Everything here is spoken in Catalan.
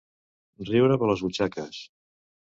Riure per les butxaques.